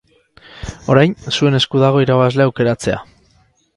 Orain, zuen esku dago irabazlea aukeratzea.